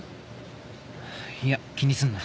いや気にすんな